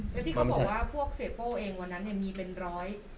แล้วที่เขาบอกว่าพวกเสียโป้เองวันนั้นเนี่ยมีเป็นร้อย